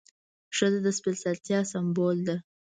ښځه د سپېڅلتیا سمبول ده.